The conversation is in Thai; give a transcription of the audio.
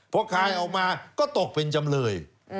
พอคลายออกมาก็ตกเป็นจำเลย